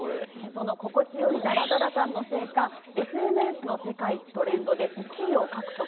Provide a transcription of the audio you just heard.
その心地よいだらだら感のせいかＳＮＳの世界トレンドで１位を獲得。